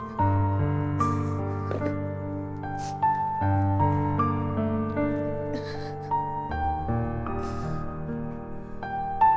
dari mana dia jadi orang